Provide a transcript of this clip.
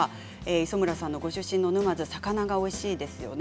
磯村さんのご出身の沼津魚がおいしいですよね。